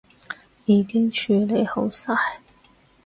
已經處理好晒